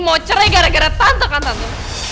mau cerai gara gara tante kan tante